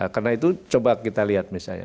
karena itu coba kita lihat misalnya